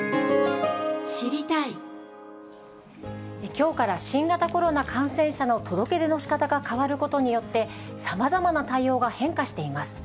きょうから新型コロナ感染者の届け出のしかたが変わることによって、さまざまな対応が変化しています。